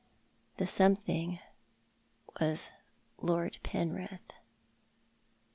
The something was Lord Penrith.